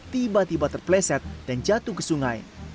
tiba tiba terpleset dan jatuh ke sungai